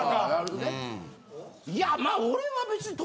いやまあ俺は別に。